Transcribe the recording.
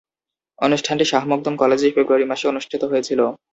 অনুষ্ঠানটি শাহ মখদুম কলেজে ফেব্রুয়ারি মাসে অনুষ্ঠিত হয়েছিলো।